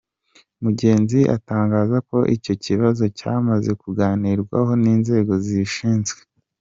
Mugenzi atangaza ko icyo kibazo cyamaze kuganirwaho n’inzego zibishinzwe.